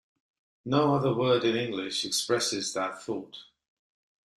No other word in English expresses that thought.